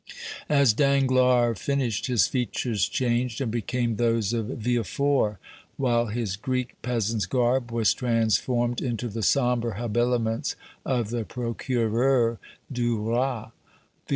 As Danglars finished, his features changed and became those of Villefort, while his Greek peasant's garb was transformed into the sombre habiliments of the Procureur du Roi.